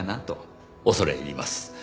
恐れ入ります。